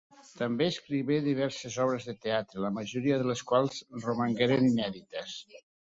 També escrigué diverses obres de teatre, la majoria de les quals romangueren inèdites.